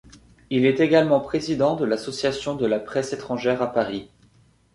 Il est également président de l'Association de la presse étrangère à Paris.